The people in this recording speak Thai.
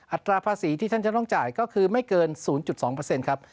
ตราภาษีที่ท่านจะต้องจ่ายก็คือไม่เกิน๐๒ครับ